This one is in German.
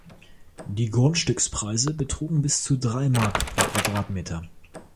Die Grundstückspreise betrugen bis zu drei Mark pro Quadratmeter.